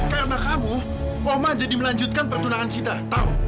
karena kamu oma jadi melanjutkan pertunangan kita tahu